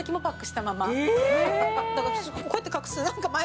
だからこうやって隠す。